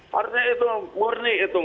harusnya itu murni itu